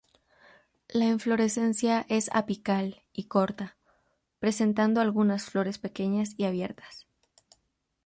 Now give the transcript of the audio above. La inflorescencia es apical y corta, presentando algunas flores pequeñas y abiertas.